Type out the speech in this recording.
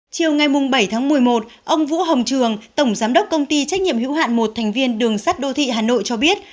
chiều ngày bảy tháng một mươi một ông vũ hồng trường tổng giám đốc công ty trách nhiệm hữu hạn một thành viên đường sắt đô thị hà nội cho biết